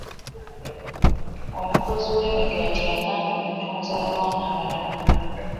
Omukozi w'emigaati agaanye okutunza abaana abato.